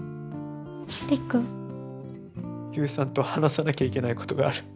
悠さんと話さなきゃいけないことがある。